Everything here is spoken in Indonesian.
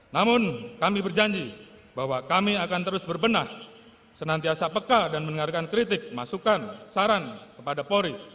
namun kami berjanji bahwa kami akan terus berbenah senantiasa peka dan mendengarkan kritik masukan saran kepada polri